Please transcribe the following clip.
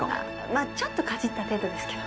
まあちょっとかじった程度ですけど。